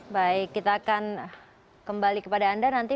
baik kita akan kembali kepada anda nanti